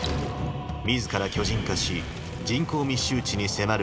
自ら巨人化し人口密集地に迫るロッド。